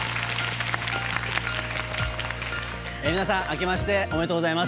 皆さん、あけましておめでとうございます。